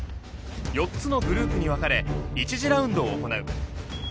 ４つのグループに分かれ１次ラウンドを行う。